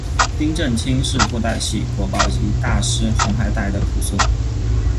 丁振清是布袋戏国宝级大师黄海岱的徒孙。